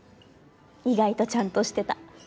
意外とちゃんとしてた。